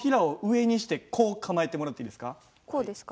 こうですか？